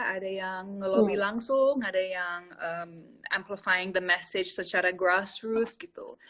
ada yang ngelobby langsung ada yang amplifying the message secara grassroots gitu